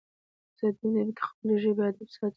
زه د خپلي ژبي ادب ساتم.